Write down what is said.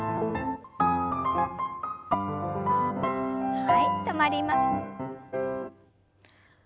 はい止まります。